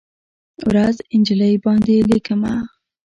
ورځ، نجلۍ باندې لیکمه